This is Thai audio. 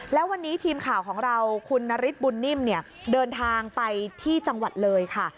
แล้ววันนี้ทีมข่าวของเราคุณนฤทธิบุญนิ่มเนี่ยเดินทางไปที่จังหวัดเลยค่ะ